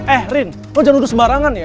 eh rin lu jangan duduk sembarangan ya